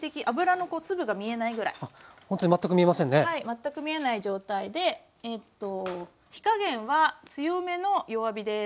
全く見えない状態で火加減は強めの弱火です。